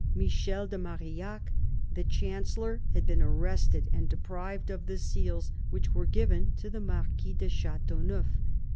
Michel de Marillac, the Chan cellor, had been arrested and deprived of the seals, which were given to the Marquis de Chateauneuf.